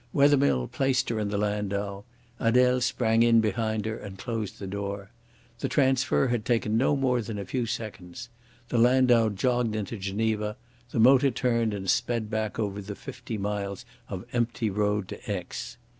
Wethermill placed her in the landau; Adele sprang in behind her and closed the door. The transfer had taken no more than a few seconds. The landau jogged into Geneva; the motor turned and sped back over the fifty miles of empty road to Aix.